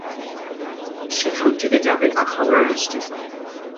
সেখান থেকে যাবে আখাউড়া রেল স্টেশন।